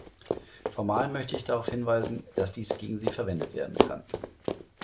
Formal möchte ich darauf hinweisen, dass dies gegen Sie verwendet werden kann.